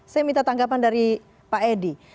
saya minta tanggapan dari pak edi